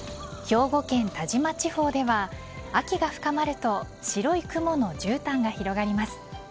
兵庫県但馬地方では秋が深まると白い雲のじゅうたんが広がります。